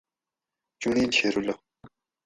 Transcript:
چُنڑیل: شیراللّہ